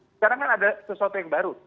sekarang kan ada sesuatu yang baru